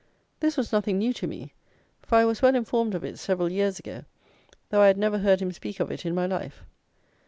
This was nothing new to me; for I was well informed of it several years ago, though I had never heard him speak of it in my life.